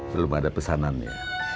belum ada pesanan ya